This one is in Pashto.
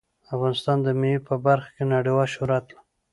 افغانستان د مېوې په برخه کې نړیوال شهرت لري.